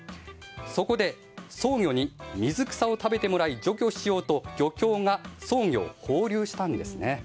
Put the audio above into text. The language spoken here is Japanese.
そこでソウギョに水草を食べてもらい除去しようと漁協がソウギョを放流したんですね。